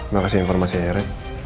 makasih informasinya ren